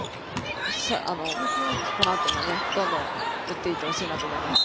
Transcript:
このあとも、どんどん打っていってほしいなと思います。